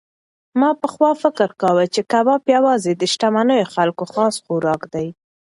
ما پخوا فکر کاوه چې کباب یوازې د شتمنو خلکو خاص خوراک دی.